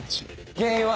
原因は？